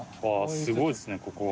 すごいですねここは。